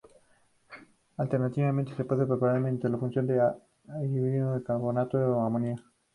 Alternativamente, se pueden preparar mediante la fusión del anhídrido con carbonato de amonio.